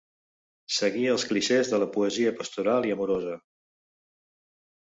Seguí els clixés de la poesia pastoral i amorosa.